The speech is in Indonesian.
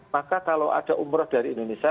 maka kalau ada umroh dari indonesia